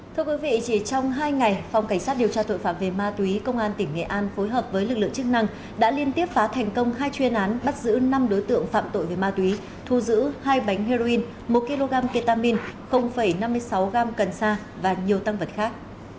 thưa quý vị chỉ trong hai ngày phòng cảnh sát điều tra tội phạm về ma túy công an tỉnh nghệ an phối hợp với lực lượng chức năng đã liên tiếp phá thành công hai chuyên án bắt giữ năm đối tượng phạm tội về ma túy thu giữ hai bánh heroin một kg ketamine năm mươi sáu g cần sa và nhiều tăng vật khác